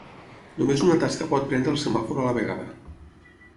Només una tasca pot prendre al semàfor a la vegada.